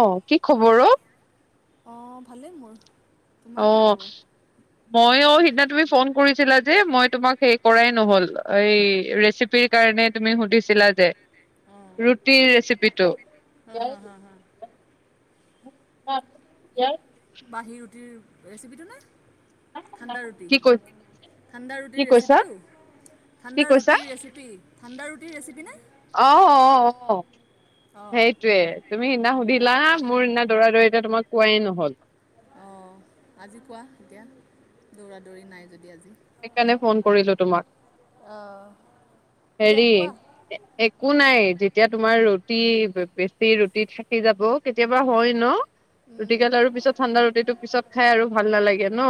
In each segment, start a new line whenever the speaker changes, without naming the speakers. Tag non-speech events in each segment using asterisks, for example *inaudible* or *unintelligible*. অ, কি খবৰ অ।
অ ভালেই মোৰ।
অ
তোমাৰ কি খবৰ
ময়ো, সিদিনা তুমি। ফোন কৰিছিলা যে মই তোমাক হেই কৰাই নহল, এই ৰেচিপিৰ কাৰণে তুমি সুধিছিলা যে।
অঁ
ৰুটিৰ ৰেচিপিটো।
হা হা হা হা
আহ *unintelligible*
বাঁহী ৰুটিৰ ৰেচিপিটোনে। ঠাণ্ডা ৰুটি
কি কৈ
ঠাণ্ডা
কি
ৰুটিৰ
কৈছা
ৰেচিপিটো,
কি
ঠাণ্ডা
কৈছা
ৰুটিৰ ৰেচিপি ঠাণ্ডা ৰুটি। ৰেচি নাই *unintelligible*
আহ আহ আহ।
অঁ
সেইটোৱে তুমি সেইদিনা সুধি। লা মোৰ সেইদিনা দৌৰা দৌৰিকে তোমাক কোৱাই নহল।
অঁ আজি কোৱা এতিয়া, দৌৰা দৌৰি নাই যদি আজি।
সেইকাৰণে ফোন কৰিছো তোমাক।
অঁ দিয়া
হেৰি
কোৱা
একো নাই যেতিয়া তুমি। তোমাৰ ৰুটি বেছি ৰুটি থাকি যাব কেতিয়াবা হয় ন। ৰুটি কাল আৰু পিছত ঠাণ্ডা ৰুটিটো পিছত। সে আৰু ভাল নালাগে ন।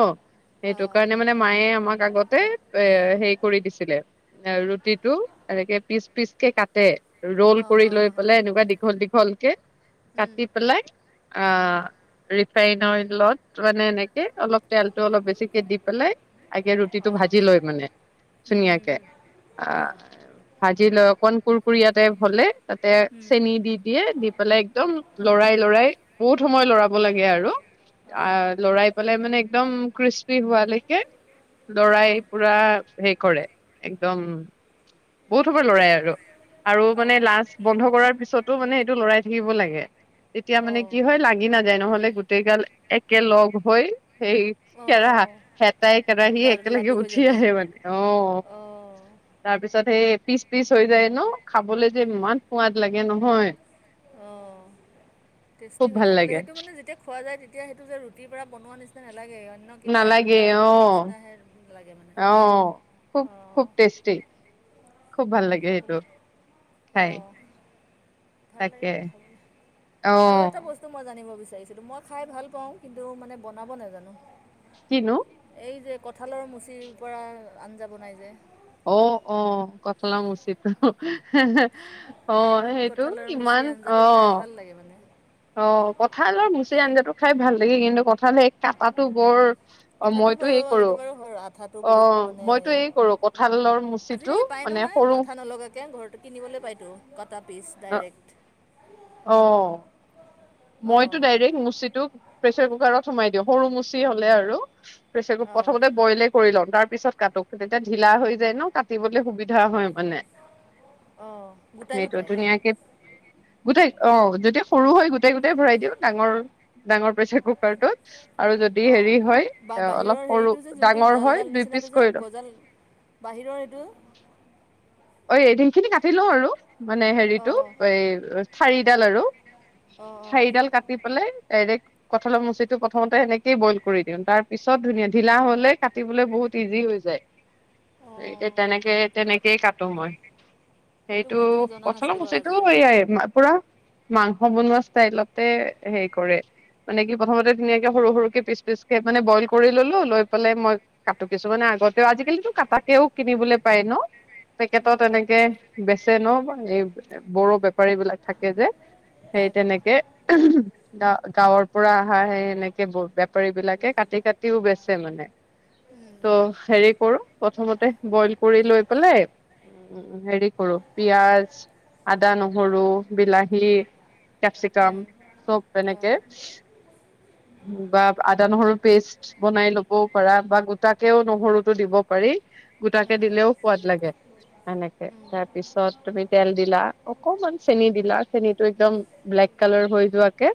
সেইটো
অঁ
কাৰণে মানে মায়ে আমাক। আগতে এ সেই কৰি দিছিলে। এনেকে পিচ পিচ কে কাটে। ৰল
অঁ হ
কৰি
হ
লৈ
হ অঁ
পেলাই এনেকুৱা দীঘল দীঘলকে কাটি পেলাই। াইন অইলত মানে এনেকে অলপ তেলটো অলপ বেছিকে *unintelligible* দি পেলাই আগে ৰুটিটো
অঁ অঁ
ভাজি লৈ মানে ধুনীয়াকে। অ ভাজি ল অকণ কোৰ *unintelligible* কুৰয়াতে ভলে *unintelligible* তাতে চেনি দি দিয়ে। একদম লৰাই লৰাই বহুত সময় লৰাব লাগে আৰু। আ লৰাই পেলাই মানে। একদম ক্ৰিস্পি হোৱালৈকে।
অঁ
লৰাই পুৰা হে। কৰে একদম বহুত সময় লৰাই আৰু আৰু মানে লাজ বন্ধ কৰাৰ পিছতো মানে সটো লৰাই থাকিব লাগে। তেতিয়া
অঁ
মানে
অঁ
কি হয় লাগি নাযাই যায় নহলে গোটেই গাল একেল লগ হৈ সেই কেৰাহা
অঁ
হেতাই। কেৰাহী একেলগে
লাডু হৈ
উঠি
যাব
আহে মানে অঁ।
অঁ
তাৰপিছত পিচ পিচ হৈ যায় ন খাবলৈ যে ইমান সোৱাদ লাগে নহয়।
অঁ টেষ্টি
খুব
হয়
ভাল
খাবলৈ
লাগে
সেইটো মানে যেতিয়া খোৱা যায়। এতিয়া সেইটো যে ৰুটিৰ পৰা বনোৱা নিচিনা। লাগে অন্য কিবা
নালাগে অ
এটাজন নিচিনাহে লাগে মানে
অ খুব
অঁ
খুব টেষ্টি খুব ভাল লাগে
খাব
সেইটো
অ
খাই
ভাল লাগে
তাকে
আৰু খাব।
অ
আৰু এটা বস্তু মই জানো বিো মই খাই ভাল পাওঁ কিন্তু মানে বনাব নাজানো
কিনো
এই যে কঁঠালৰ মুচিৰ পৰা আঞ্জা বনাই যায়।
অঁ অঁ কঁঠালৰ মুচি টো অঁ সেইটো
কঁঠালৰ মুচিৰ
ইমান
আঞ্জাটো খাই
অঁ
ভাল লাগে মানে
অঁ কঁঠালৰ মুচি আঞ্জাটো খাই ভাল লাগে কিন্তু কঁঠাল এক।
কথাতটো বাৰু
কৰো
সেইটো বাৰু আঠাটো
অ
বহুত মানে
মইতো এই কৰো কঠালৰ মুচিটো
আজিকালি পাই
মানে সৰু
নহয় আঠা নলগাকে ঘৰতো কিনিবলে পাইতো কাটাত। স্পেছ ডাইৰেক্ট
আহ
অঁ
প্ৰেচাৰ কুকাৰত সোমাই দিওঁ সৰু মুচি হ'লে আৰু প্ৰেচাৰ
অঁ
প্ৰথমতে বইলে কৰি ল'ম তাৰ। পিছত কাক তেতিয়া ঢিলা হৈ যায় ন কাটিবলৈ সুবিধা হয়।
অঁ গোটাই
সেইটো
গোটাই
ধুনীয়া কে গোটেই অঁ যেতিয়া সৰু হয় গোটেই গোটেই গোটেই ভৰাই দিওঁ ডাঙৰ ডাঙৰ প্ৰেচাৰ কু আৰু যদি
অঁ
হেৰি হয়
বা
অলপ
বাহিৰৰ
সৰু
হেৰিটো যে যোনটো
ডাঙৰ
জাল
হয়
জাল
দুই পিচ
নিচিনাটো যে
কৰি লওঁ
গজাল বাহিৰৰ সেইটো
অঁ এইখিনি কাটি লওঁ আৰু। মানে হেৰিতটো
অঁ
এই ঠাৰিডাল আৰু
অঁ অঁ
ঠাৰিডাল কাটি পেলাই ডাইৰেক্। কঁঠালৰ মুচিটো প্ৰথমতে সেনেকেই বইল কৰি দিওঁ। তাৰ পিছত, ধুনীয়া ধিলা হ'লে কাটিবলৈ বহুত ইজি হৈ যায়। সেই এতিয়া
অঁ
তেনেকে, তেনেকে *unintelligible* ত' মই সেইটো
বুদ্ধি জনা
কঁঠালৰ
নাছিলোঁ বাৰু আজি
মুচিটো
জানিলোঁ
এইয়াই পুৰা মাংস বনোৱা ষ্টাইলতে হেৰি কৰে। মানে, কি প্ৰথমতে ধুনীয়াকে সৰু, সৰুকে পিচ, পিচকে মানে, বইল কৰি ললোঁ, লৈ পেলাই মই কাটো। কিছুমানে আগতেও আজিকালি কাটাকেও কিনিবলৈ পাই ন'।
উম,
পেকেটত
উম,
এনেকে
পায়
বেচে ন'। এই বড়ো বেপাৰী বিলাক থাকে যে। সেই
পায় পায়
তেনেকে গা গাঁৱৰ পৰা আহা এনেকে ব বে বেপাৰী বিলাকে কাটি কাটিও বেচে মানে,
উম,
ত' হেৰি কৰোঁ। প্ৰথমতে, বইল কৰি লৈ পেলাই উম, হেৰি কৰোঁ পিয়াঁজ, আদা, নহৰু, বিলাহী কেপচিকাম
উম,
চব এনেকে
অঁ
বা আদা, নহৰু পেষ্ট বনাই ল'বও পাৰা বা গোটাকেও নহৰুতো দিব পাৰি। গোটাকে
উম, উম,
দিলেও সোৱাদ লাগে এনেকে। তাৰপিছত, তুমি তেল দিলা, অকমান চেনী দিলা, চেনীটো একদম ব্লেক কালাৰ হৈ যোৱাকে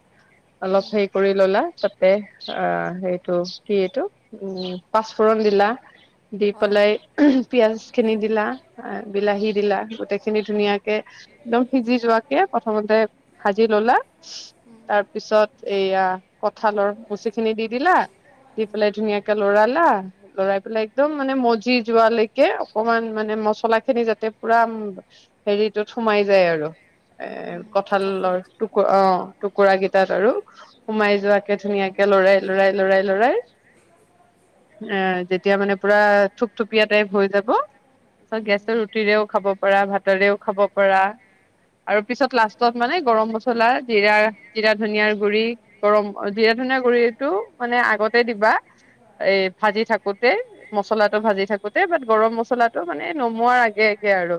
অলপ
উম,
হেৰী কৰি ল'লা তাতে আঁ সেইটো কি এইটো, উম, পাঁচফোৰণ দিলা। দি
অঁ
পেলাই পিয়াঁজ খিনি দিলা। বিলাহী
অঁ
দিলা। গোটেইখিনি
অঁ
ধুনীয়াকে একদম সিজি যোৱাকে প্ৰথমতে, ভাজি ল'লা।
উম, উম,
তাৰ পিছত, এয়া কঁঠালৰ মুচি খিনি দি দিলা, দি পেলাই ধুনীয়াকে ল'ৰালা, ল'ৰাই পেলাই একদম মানে মজি যোৱালৈকে অকমান মানে মছলা খিনি যাতে পুৰা হেৰিটোত সোমাই যায় আৰু। এ,
উম,
কঁঠালৰ
কঁঠালখিনিত
টুকুৰা অ'! টুকুৰা কেইটাত আৰু সোমাই যোৱাকে ধুনীয়াকে ল'ৰাই ল'ৰাই, ল'ৰাই ল'ৰাই এ, যেতিয়া মানে, পুৰা থুপথুপীয়া টাইপ হৈ যাব।
উম,
গেছত ৰুটিৰেও খাব পাৰা, ভাতৰেও খাব পাৰা আৰু পিছত লাষ্টত মানে গৰম মছলা জিৰা ধনিয়াৰ গুৰি গৰম জীৰা, ধুনীয়া গুৰিটো মানে আগতে দিবা। এই ভাজি থাকোঁতে, মছলাটো
উম
ভাজি থাকোঁতে বাট গৰম মছলাটো মানে, নমোঁৱাৰ আগে আগে আৰু।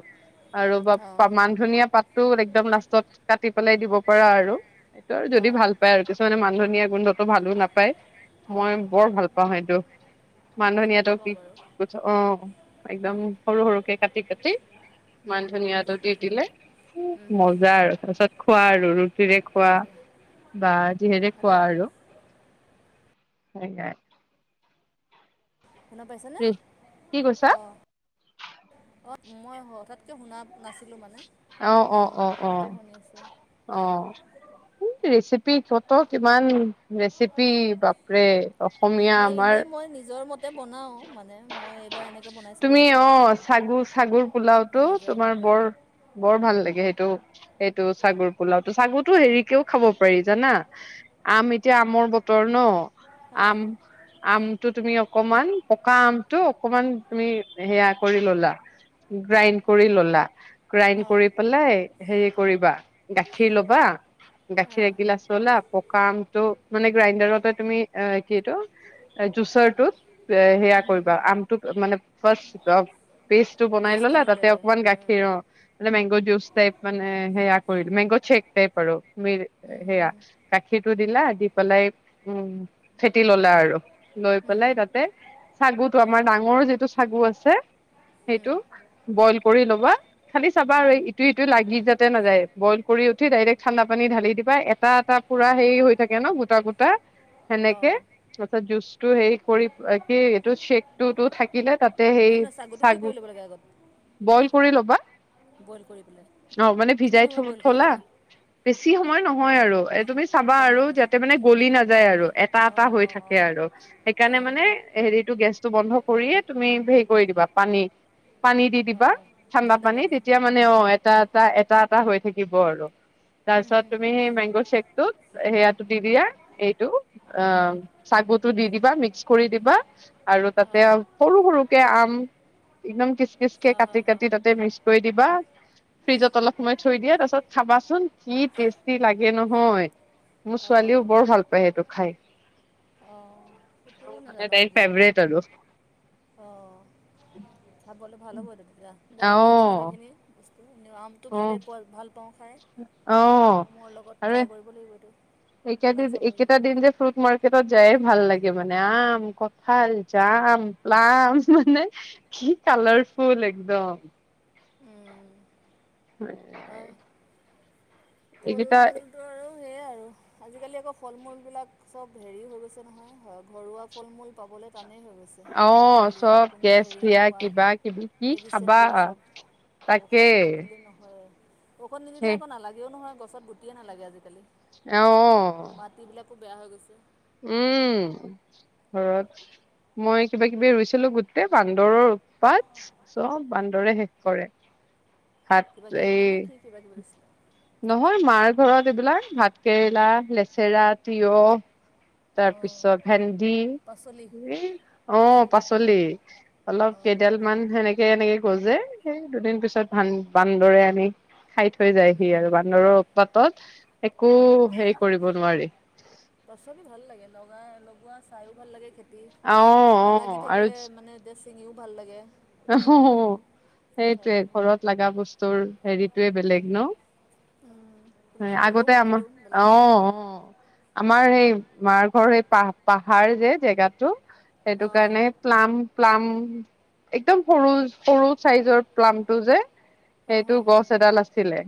আৰু
অঁ
মান ধনিয়া পাত একদম লাষ্টত কাটি পেলাই দিব পাৰা আৰু। এইটো আৰু যদি
অঁ
ভাল পাই আৰু। মানে, মান ধনিয়া গোন্ধটো ভালো নাপায়। মই
অঁ
বৰ ভাল পাওঁ সেইটো! মান
ময়ো ভালে
ধনিয়টো
পাওঁ
কি?
বাৰু
অ'! একদম সৰু, সৰুকে কাটি, কাটি। মান
উম, উম,
ধনিয়াটো দি দিলে,
হুম, হুম,
মজা আৰু তাৰপিছত খোৱা আৰু ৰুটি ৰুটিৰে খোৱা
তাকে
বা যিহেৰে খোৱা
হেল্ল'
আৰু। সেই নাই।
শুনা পাইছানে অঁ অ মই হঠাৎকে শুনা নাছিলোঁ মানে।
অ অ
উম,
অ অ
এতিয়া শুনি আছোঁ
অ ৰেচিপি কত কিমান ৰেচিপি বাপৰে অসমীয়া
নাই এনেই
আমাৰ
মই নিজৰ মতে বনাও মানে মই এইবাৰ এনেকে বনাই চাব
তুমি
লাগিব
অ চাগু চাগুৰ পোলাওটো
নিজৰ
তোমাৰ
মতে
বৰ বৰ ভাল লাগে সেইটো চাগৰ পোলাও ত চাগৰতো হেৰিকেও খাব পাৰি জানা আম এতিয়া আমৰ বতৰ ন আম,
অঁ
আম, তটো তুমি অকমান পকা আমটো অকমান তুমি সেয়া কৰি ললা গ্ৰাইণ্ড কৰি ললা গ্ৰাইণ্
অঁ
কৰি পেলাই হেৰি কৰিবা গাখীৰ লবা গাখীৰ
অঁ
এগিলাচ ললা পকা আমটো মানে গ্ৰাইণ্ডাৰতে তুমি এ কি এইটো জুচাৰটোত সেয়া
উম, হুম,
কৰিবা
হুম।
আমটো মানে ফাৰ্ষ পেষ্টটো বনাই ললা
জুচখিনি ওলাই
তাতে
ল'বা
অকমান
অঁ
গাখীৰ অ, মানে মেংগ জুচ টাইপ মানে সেয়া কৰিলো মেংগ চেক টাইপ আৰু ম
উম, হুম,
সেয়া গাখীৰটো দিলা দি পেলাই উম ফেটি ললা আৰু লৈ
হুম,
পেলাই তাত চাগু আমাৰ ডাঙৰ যিটো চাগু আছে
উম, উম,
সেইটো বইল কৰি লবা খালি চাবা
উম,
আৰু
হুম।
ইটো ইটো লাগি যাতে নাযায় বইল কৰি উঠি ডাইৰেক্ট ঠাণ্ডা পানী ঢালি দিবা এটা এটা পুৰা হেই হৈ থাকে ন গোটা গোটা সেনেকে
অঁ
তাৰপিছত জুচটো হে কৰি। কি এইটো চেক টো থাকিলে তাত
নহয় নহয় ছাগতো কি কৰি ল'ব লাগে আগত
বইল কৰি ল'বা
বইল কৰি পেলাই
অ মানে
কিমান
ভিজাই থ
সময় বইল কৰিব
থলা
লাগে
বেছি বেছি সময় নহয় আৰু এ তুমি। চাবা আৰু
অকণমানৰ
যাতে মানে গলি নাযায় আৰু এটা এটা
অঁ
হৈ
অঁ অঁ
থাকে আৰু সেইকাৰণে
অঁ
মানে হেৰিতটো গেছটো বন্ধ কৰিয়ে তুমি হেৰি কৰি দিবা পানী। পানী দি দিবা ঠাণ্ডা পানী তেতিয়া মানে অ এটা এটা এটা এটা হৈ থাকিব আৰু তাৰপিছত তুমি সেই মেংগ চেক টোত সেয়া দি দিয়া এইটো অ চাগুতো দি দিবা মিক্স কৰি দিবা। বা আৰু তাতে
অঁ
সৰু সৰুকে আম, একদম কি খেচ
অঁ হ
কাটি
হ
কাটি তাতে মিকচ কৰি দিবা ফ্ৰিজত অলপ সময় থৈ দিয়া তাৰ পিছত খাবাচোন কি টেষ্টি লাগে নহয় মোৰ ছোৱালীও
অঁ
বৰ ভাল পায় সেইটো খাই।
অঁ সেইটোও
মানে
নাজানো
তাইৰ
আজি
ফেভৰেট আৰু
অ খাবলৈ ভাল হ'ব দে তেতিয়া
অ
গৰমৰ দিনত সেইখিনি আমটো
অ
ভালেই পোৱা ভাল তং খাই
অ
মোৰ লগত ট্ৰাই কৰিব লাগিব এইটো
একে
বনাই চাব লাগিব
একেটা দিন যে ফ্ৰুট মাৰ্কেটত যায়ে ভাল লাগে মানে নাম, কঠাল, জাম, প্লাম মানে কি কালাৰফুল একদম। হয়। এইকেইটা
সেয়া আৰু, আজিকালি আকৌ ফল মূলবিলাক চব হেৰি হৈ গৈছে নহয় হয় ঘৰুৱা ফল মূল পাবলৈ টানেই হৈ গৈছে,
অ
গাঁৱলীয়া
চব
কোনো
গেছ
হেৰি
দিয়া
নোহোৱা,
কিবা কিবি কি
মেডিচিন
খাবা
দিয়া চব,
তাকে
ঔষধ নিদিলে নহয় আৰু। ঔষধ নিদিলে
সেই
আকৌ নালাগেও নহয়। গছত গুটিয়ে নালাগে আজিকালি।
আহ।
খুব বেয়া হৈ গৈছে।
উম, ঘৰত মই কিবা কিবি ৰুইছিলো গোটেই বান্দৰৰ উৎপাত, চব বান্দৰে শেষ কৰে। হাত
কিবাকিবি
এই,
মানে কি কিবাকিবি দিছিলে
নহয় মাৰ ঘৰত এইবিলাক ভাত কেৰেলা, লেচেৰা, তিয়হ
অঁ
তাৰপিছত ভেন্দি,
পাচলি
অ পাচলি, অলপ
অঁ
কেইডাল মান সেনেকে এনেকে গজে, সেই দুদিন পিছত ভান বান্দৰে আনি খাই থৈ যায় সি আৰু বান্দৰৰ উৎপাত তত একো
অঁ
হেৰি কৰিব নোৱাৰি।
পাচলি ভাল লাগে লগাই লগোৱা চাইও ভাল লাগে খেতি
অ
এতিয়া
অ
লাগি
আৰু
থাকিলে মানে এতিয়া ছিঙিও ভাল লাগে উঠাই
অহ,
পেলাই উঠাই
সেইটোৱে
পিনে
ঘৰত লগা বস্তুৰ সেৰিটোয়ে বেলেগ
কিন্তু
ন।
খাবলৈও
আগতে
সোৱাদটো
আমাৰ,
বেলেগ
অ অ আমাৰ সেই মাৰ ঘৰ সেই পাহ পাহাৰ যে জেগাটো সেইটো
অঁ
কাৰণে প্লাম প্লাম একদম সৰু সৰু চাইজৰ প্লামটো যে
হয়
সেইটো
হয় হয়
গছ এডাল আছিলে,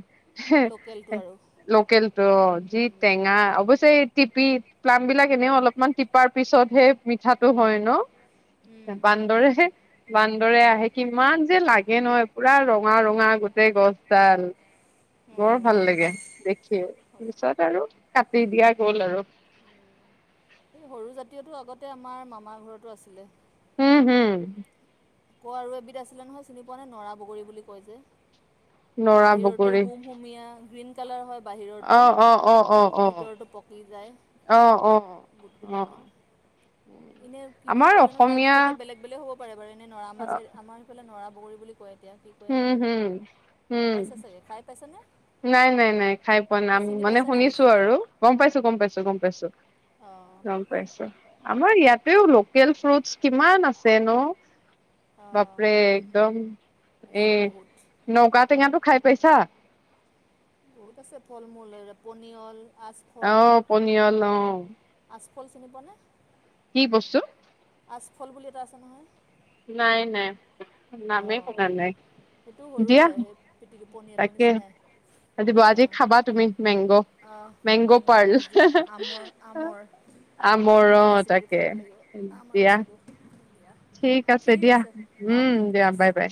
লোকেলটো আৰু
লোকেল টো অ যি
উম,
টেঙা অৱশ্যে টিপি প্লাম বিলাক এনেও অলপমান টিপাৰ পিছতহে মিঠাটো হয় ন।
উম,
বান্দৰে বান্দৰে আহে কিমান যে লাগে নহয় পুৰা ৰঙা ৰঙা গোটেই গছডাল বৰ
উম।
ভাল লাগে, দেখি তাৰপিছত আৰু কাটি দিয়া গ'ল আৰু
এই সৰু জাতীয়তো আগতে আমাৰ মামাৰ ঘৰতো আছিলে।
উম হম।
ক আৰু এবিধ আছিলে নহয় চিনি পোৱা নে নৰা বগৰী বুলি কয় যে
নৰা
বাহিৰতো
বগৰী
হুম হুমীয়া গ্ৰীণ *unintelligible* বাহিৰতো
অ অ অ অ অ
ভিতৰতো পকি যায়
অ অ
গুটিটো
অ
ডাঙৰ এনেই কি বুলি
আমাৰ
কয় জানো ঠাই
অসমীয়া
বিশেষকৈ বেলেগ বেলেগ হ'ব পাৰে বাৰু *unintelligible* নৰা বগৰী বুলি কয়। এতিয়া কি কৰে
হম
নাজানো
হম উম
পাইছে চাগে খাই পাইছেনে?
নাই নাই নাই খাই পোৱা নাম মানে
নাই
শুনিছো
বস্তুটো
আৰু গম পাইছো গম পাইছো গম পাইছো।
অঁ
গম পাইছো আমাৰ ইয়াতেও লোকেল ফ্ৰুটছ কিমান আছে ন
অঁ
বাপৰে একদম
আছে
এই
বহুত
নৌকা টেঙাটো খাই। পাইছা
বহুত আছে ফল মূলৰে পনিয়ল আচফল
আহ পনিয়াল অ।
ফল চিনি পোৱানে?
কি বস্তু?
পচফল বুলি এটা আছে নহয়?
নাই নাই। নামেই
অঁ
শুনা নাই
সেইটো সৰু
দিয়া।
হয় সেই পিটিকি পনিয়লৰ
তাকে
নিচিনাই
আজিব আজি
অঁ
খাবা তুমি মেংগ
আহ
মেংগ পাৰ
আজি আমৰ আমৰ
আমৰ
ৰেচিপি
তাকে
খাব লাগিব আম আৰু
দিয়া
চালু দিয়া
ঠিক আছে দিয়া
অঁ
উম।
ঠিক
দিয়া বাই
আছে
বাই।